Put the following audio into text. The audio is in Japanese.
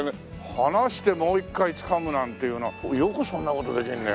離してもう１回つかむなんていうのはよくそんな事できるね。